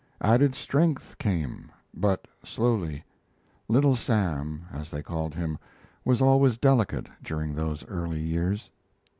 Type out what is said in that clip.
Added strength came, but slowly; "Little Sam," as they called him, was always delicate during those early years.